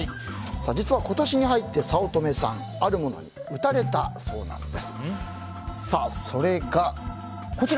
実は、今年に入って早乙女さんあるものに打たれたそうなんです。